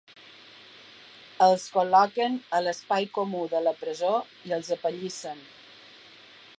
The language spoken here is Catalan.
Els col·loquen a l’espai comú de la presó i els apallissen.